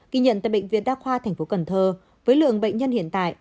kỳ nhận tại bệnh viện đa khoa tp cần thơ với lượng bệnh nhân hiện tại